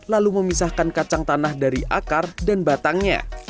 lalu memisahkan kacang tanah dari akar dan batangnya